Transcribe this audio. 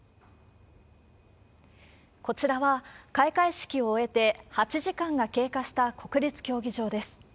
こちらは開会式を終えて８時間が経過した国立競技場です。